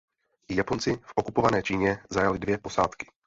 Japonci v okupované Číně zajali dvě posádky.